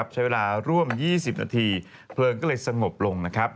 ใช้เวลาร่วม๒๐นาทีเพลิงก็เลยสงบลง